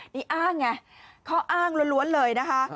นี่อ้างเนี่ยเค้าอ้างล้วนเลยนะคะ